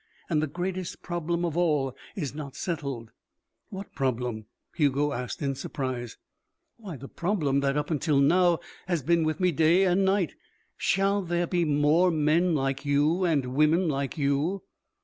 And the greatest problem of all is not settled." "What problem?" Hugo asked in surprise. "Why, the problem that up until now has been with me day and night. Shall there be made more men like you and women like you?"